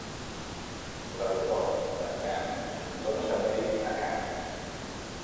L"aeroport de Kang dóna servei a Kang.